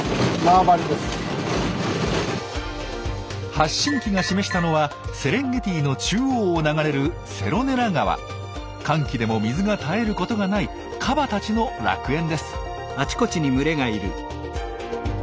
発信機が示したのはセレンゲティの中央を流れる乾季でも水が絶えることがないカバたちの楽園です。